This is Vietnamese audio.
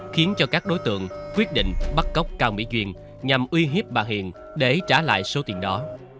khiến cho các đối tượng quyết định bắt cóc cao mỹ duyên nhằm uy hiếp bà hiền để trả lại số tiền đó